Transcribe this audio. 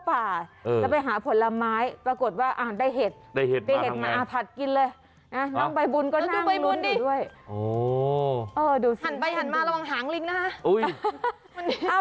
น้องใบบุญก็นั่งนู้นดูด้วยหันไปหันมาระวังหางลิงนะฮะ